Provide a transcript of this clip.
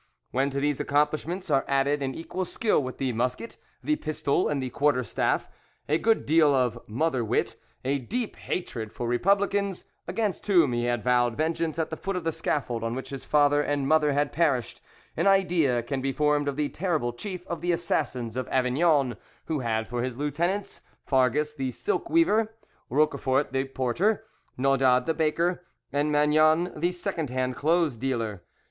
When to these accomplishments are added an equal skill with the musket, the pistol, and the quarter staff, a good deal of mother wit, a deep hatred for Republicans, against whom he had vowed vengeance at the foot of the scaffold on which his father and mother had perished, an idea can be formed of the terrible chief of the assassins of Avignon, who had for his lieutenants, Farges the silk weaver, Roquefort the porter, Naudaud the baker, and Magnan the secondhand clothes dealer.